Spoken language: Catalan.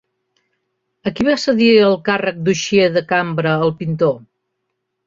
A qui va cedir el càrrec d'«uixer de cambra» el pintor?